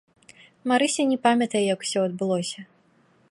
Марыся не памятае, як усё адбылося.